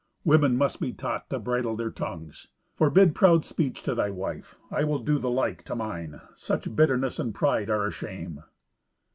"Women must be taught to bridle their tongues. Forbid proud speech to thy wife: I will do the like to mine. Such bitterness and pride are a shame."